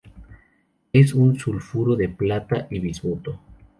Es un sulfuro de plata y bismuto.